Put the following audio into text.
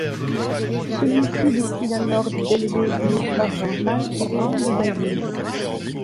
Celui-ci décide alors d'élever Bourg-Argental au rang de bailli.